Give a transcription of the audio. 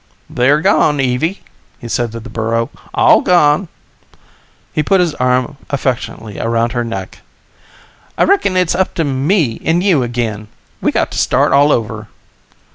"They're gone, Evie," he said to the burro, "all gone." He put his arm affectionately around her neck. "I reckon it's up to me and you agin. We got to start all over."